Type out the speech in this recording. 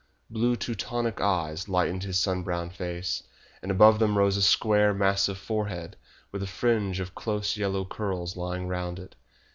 Blue Teutonic eyes lightened his sun browned face, and above them rose a square, massive forehead, with a fringe of close yellow curls lying round it.